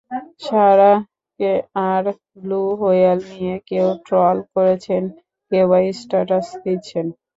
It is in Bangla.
সারাহাহ আর ব্লু হোয়েল নিয়ে কেউ ট্রল করেছেন, কেউবা স্ট্যাটাস দিচ্ছেন।